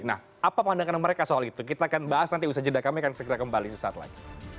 nah apa pandangan mereka soal itu kita akan bahas nanti usaha jeda kami akan segera kembali sesaat lagi